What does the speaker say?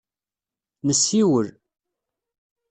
Nessiwel.